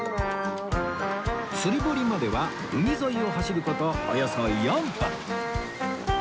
釣り堀までは海沿いを走る事およそ４分